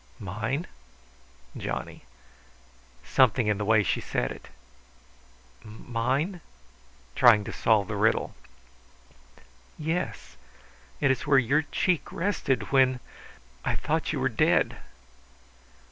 "Mine?" Johnny. Something in the way she said it. "Mine?" trying to solve the riddle. "Yes. It is where your cheek rested when I thought you were dead."